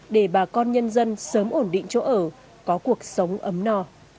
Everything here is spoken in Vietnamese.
để bà con nhân dân sớm ổn định chỗ ở có cuộc sống ấm no